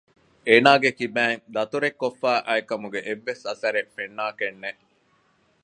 އޭނާގެ ކިބައިން ދަތުރެއްކޮށްފައި އައިކަމުގެ އެއްވެސް އަސަރެއް ފެންނާކަށް ނެތް